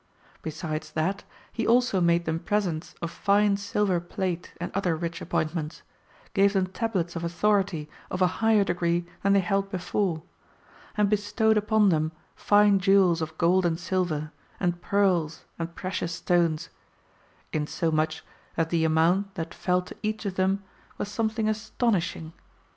Besides that, he also made them presents of fine silver plate and other rich appointments ; gave them Tablets of Authority of a higher degree than they held before ; and bestowed upon them fine jewels of gold and silver, and pearls and precious stones ; insomuch that the amount that fell to each of them was something astonish ing.